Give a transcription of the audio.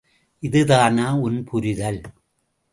இதுதானா உன் புரிதல்?